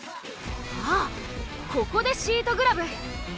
ああここでシートグラブ。